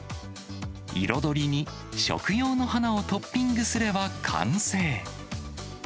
彩りに食用の花をトッピングすれば完成。